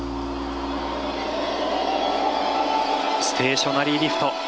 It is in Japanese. ステーショナリーリフト。